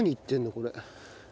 これ。